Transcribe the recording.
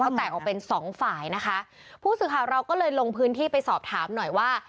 เขาแตกออกเป็นสองฝ่ายนะคะผู้สื่อข่าวเราก็เลยลงพื้นที่ไปสอบถามหน่อยว่า